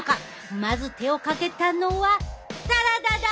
まず手をかけたのはサラダだ！